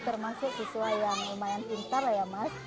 termasuk siswa yang lumayan pintar lah ya mas